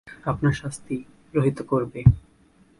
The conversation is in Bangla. আপনার শাস্তি রহিত করবে।